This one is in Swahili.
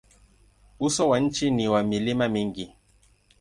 Uso wa nchi ni wa milima mingi.